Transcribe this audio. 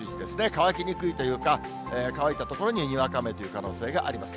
乾きにくいというか、乾いたところににわか雨という可能性があります。